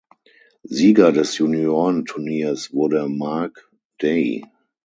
Sieger des Juniorenturniers wurde Mark Day.